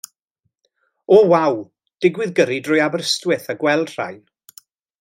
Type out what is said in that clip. Oh waw, digwydd gyrru drwy Aberystwyth a gweld rhain.